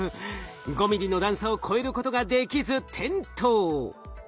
５ｍｍの段差を越えることができず転倒。